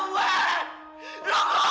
gue nggak tau siapa gue